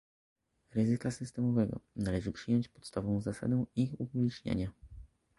Ryzyka Systemowego, należy przyjąć podstawową zasadę ich upubliczniania